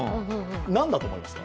なんだと思いますか？